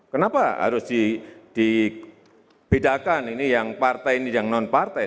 kenapa harus dibedakan ini yang partai ini yang non partai